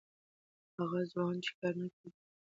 هغه ځوان چې کار نه کوي، بار دی.